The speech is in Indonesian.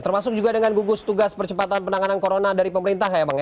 termasuk juga dengan gugus tugas percepatan penanganan corona dari pemerintah ya bang ya